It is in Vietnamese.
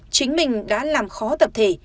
chính mình đã làm khó tập thể